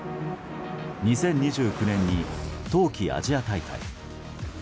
２０２９年に冬季アジア大会。